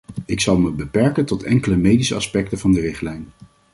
Ik zal me beperken tot enkele medische aspecten van de richtlijn.